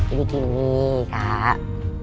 ini gini kak